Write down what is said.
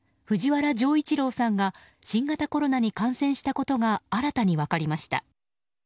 藤原丈一郎さんが新型コロナに感染したことが新たに分かりました。